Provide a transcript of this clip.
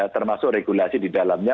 termasuk regulasi di dalamnya